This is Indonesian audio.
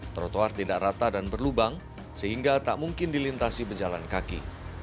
trotoar tidak rata dan berlubang sehingga tak mungkin dilintasi pejalan kaki